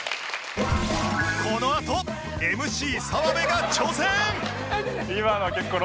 このあとＭＣ澤部が挑戦！